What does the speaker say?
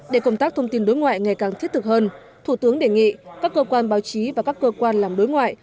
để công tác thông tin đối ngoại ngày càng thiết thực hơn thủ tướng đề nghị các cơ quan báo chí và các cơ quan làm đối ngoại